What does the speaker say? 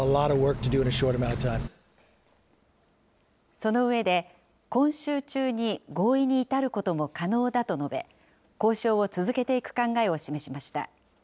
その上で、今週中に合意に至ることも可能だと述べ、交渉を続けていく考えを示しました。